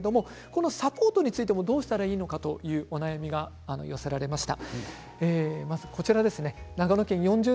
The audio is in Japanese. サポートについてもどうしてあげたらいいのかというお悩みが寄せられました。